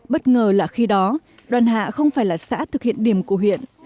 bất ngờ là khi đó đoàn hạ không phải là xã thực hiện điểm của huyện